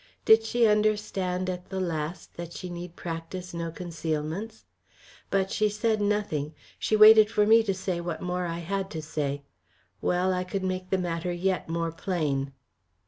Did she understand at the last that she need practise no concealments? But she said nothing, she waited for me to say what more I had to say. Well, I could make the matter yet more plain.